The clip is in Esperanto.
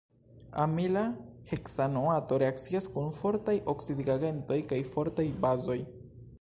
Amila heksanoato reakcias kun fortaj oksidigagentoj kaj fortaj bazoj.